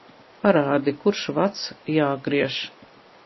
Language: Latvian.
Parādi, kurš vads jāgriež.